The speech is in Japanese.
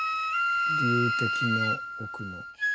龍笛の奥の。